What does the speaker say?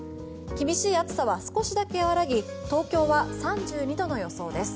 厳しい暑さは少しだけやわらぎ東京は３２度の予想です。